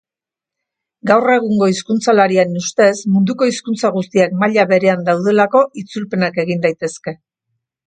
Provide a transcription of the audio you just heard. Gaur egungo hizkuntzalarien ustez, munduko hizkuntza guztiak maila berean daudelako, itzulpenak egin daitezke.